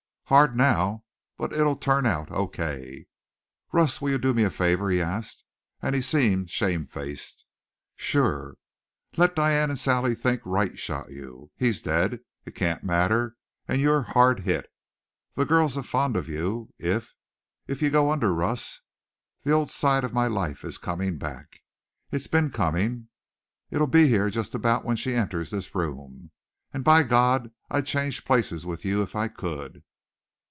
"Hard now. But it'll turn out O.K." "Russ, will you do me a favor?" he asked, and he seemed shamefaced. "Sure." "Let Diane and Sally think Wright shot you. He's dead. It can't matter. And you're hard hit. The girls are fond of you. If if you go under Russ, the old side of my life is coming back. It's been coming. It'll be here just about when she enters this room. And by God, I'd change places with you if I could."